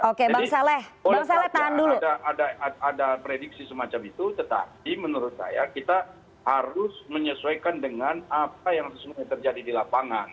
jadi boleh saja ada prediksi semacam itu tetapi menurut saya kita harus menyesuaikan dengan apa yang sesuai terjadi di lapangan